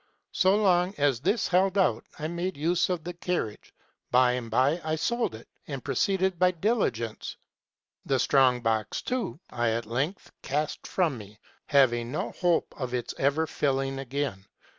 So long as this held out, I made use of the carriage : by and by I sold it, and proceeded by the diligence. The strong box, too, I at length cast from me ; having no hope of its ever filling again.